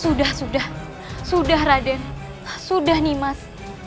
sudah sudah sudah raden sudah nih mas